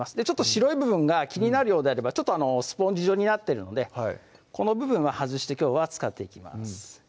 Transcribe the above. ちょっと白い部分が気になるようであればちょっとスポンジ状になってるのでこの部分は外してきょうは使っていきます